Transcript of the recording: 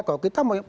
kalau kita mau